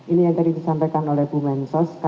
ini yang tadi disampaikan oleh bu mensos